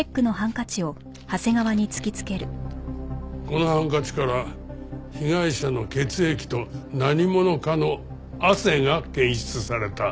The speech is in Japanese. このハンカチから被害者の血液と何者かの汗が検出された。